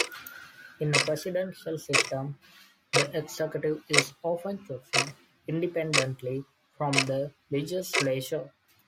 In a presidential system, the executive is often chosen independently from the legislature.